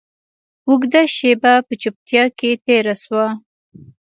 اوږده شېبه په چوپتيا کښې تېره سوه.